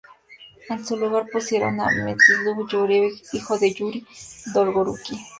En su lugar pusieron a Mstislav Yúrievich, hijo de Yuri Dolgoruki.